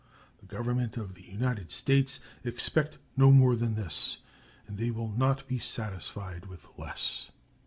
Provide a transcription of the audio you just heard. The Government of the United States expect no more than this, and they will not be satisfied with less.